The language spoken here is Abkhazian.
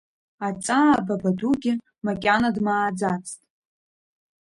Аҵаа Бабадугьы макьана дмааӡацт.